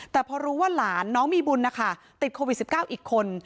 แต่พอรู้ว่าหลานน้องมีบุญนะคะติดโควิด๑๙อีกคน